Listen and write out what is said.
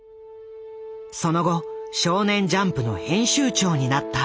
その後少年ジャンプの編集長になった。